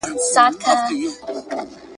پلرونو یې په وینو رنګولي ول هډونه `